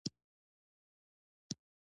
د انځر پاڼې د شکر لپاره وکاروئ